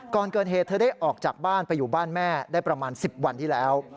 ก่อนเกิดเหตุเธอได้ออกจากบ้านไปอยู่บ้านแม่ได้ประมาณ๑๐วันที่แล้ว